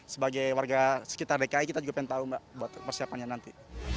sebagai warga sekitar dki kita juga pengen tahu mbak buat persiapannya nanti